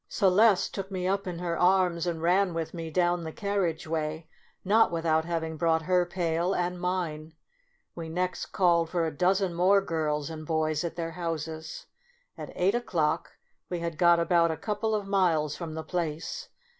Celeste took me up in her arms and ran with me down the carriage way, not with out having brought her pail and mine. We next called for a dozen more girls and boys at their houses. At eight o'clock we had got about a couple of miles from the place.